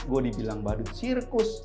gue dibilang badut sirkus